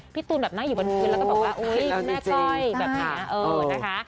พี่ตูนแบบนั่งอยู่บนพื้นแล้วก็บอกว่าคุณแม่ก้อยแบบนี้นะคะ